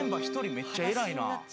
めっちゃ偉いな。